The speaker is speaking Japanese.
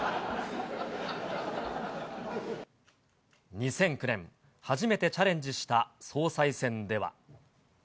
２００９年、初めてチャレンジした総裁選では。